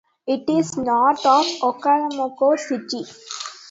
It is north of Oklahoma City.